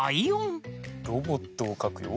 ロボットをかくよ。